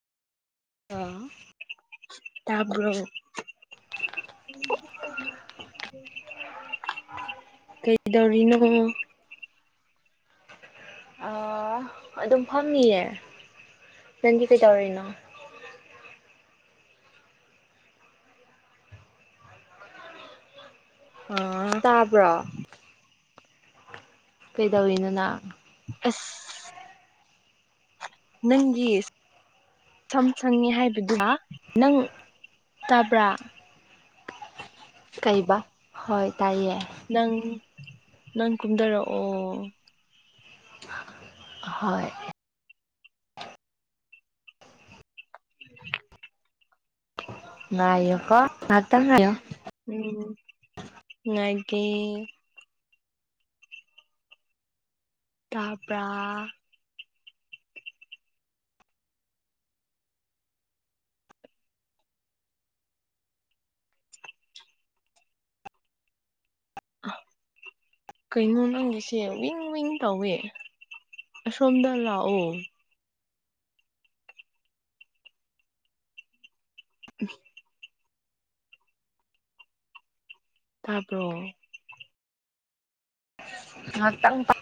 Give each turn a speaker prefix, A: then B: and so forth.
A: ꯎꯟ ꯇꯕꯔꯣ ꯀꯩꯗꯧꯔꯤꯅꯣ
B: ꯑꯥ ꯑꯗꯨꯝ ꯐꯝꯃꯤꯌꯦ ꯅꯪꯗꯤ ꯀꯩꯗꯧꯔꯤꯅꯣ
A: ꯑꯥ꯬꯬꯬꯬
B: ꯇꯥꯕ꯭ꯔꯣ ꯀꯩꯗꯧꯔꯤꯅꯦ ꯅꯪ
A: ꯑꯁ ꯅꯪꯒꯤ ꯁꯝ ꯁꯪꯉꯦ ꯍꯥꯏꯕꯗꯨꯃ ꯅꯪ ꯇꯥꯕ꯭ꯔꯥ
B: ꯀꯩꯕ ꯍꯣꯏ ꯇꯥꯏꯌꯦ
A: ꯅꯪ ꯅꯪ ꯀꯨꯝꯗꯔꯛꯑꯣ
B: ꯍꯣꯏ ꯉꯥꯏꯌꯨꯀꯣ ꯉꯥꯏꯍꯛꯇꯪ ꯉꯥꯏꯌꯣ
A: ꯎꯝ ꯉꯥꯏꯒꯦ ꯇꯕꯔꯥ ꯀꯩꯅꯣ ꯅꯪꯒꯤꯁꯦ ꯋꯤꯟ ꯋꯤꯟ ꯇꯧꯋꯦ ꯁꯣꯝꯗ ꯂꯥꯛꯑꯣ [inaudible] ꯇꯥꯕ꯭ꯔꯣ
B: ꯉꯥꯍꯛꯇꯪ